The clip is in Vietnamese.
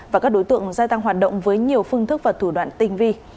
và các đối tượng gia tăng hoạt động với nhiều phương thức và thủ đoạn tinh vi